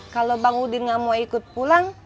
kalau bang udin gak mau ikut pulang